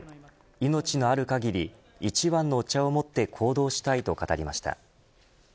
命のある限り一椀の茶をもって行動したいと語りました。